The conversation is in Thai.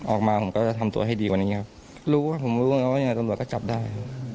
ออกมาผมก็จะทำตัวให้ดีกว่านี้ครับรู้ครับผมรู้แล้วว่ายังไงตำรวจก็จับได้